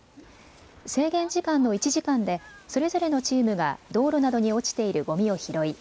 制限時間の１時間でそれぞれのチームが道路などに落ちているごみを拾い